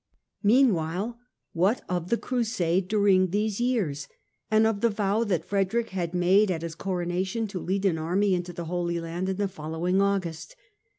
Meanwhile, what of the Crusade during these years, and of the vow that Frederick had taken at his Coronation to lead an army into the Holy Land in the following August